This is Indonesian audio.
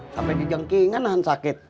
sampai di jengkingan nahan sakit